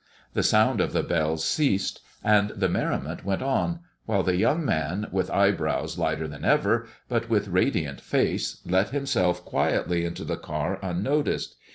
The sound of the bells ceased, and the merriment went on, while the young man with eyebrows lighter than ever, but with radiant face, let himself quietly into the car unnoticed.